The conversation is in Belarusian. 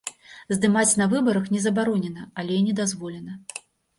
Здымаць на выбарах не забаронена, але і не дазволена.